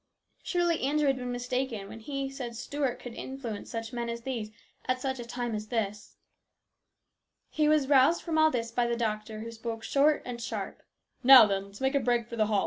Surely Andrew had been mistaken when he said Stuart could influence such men as these at such a time as this. He was roused from all this by the doctor, who spoke short and sharp. " Now then ! Let's make a break for the hall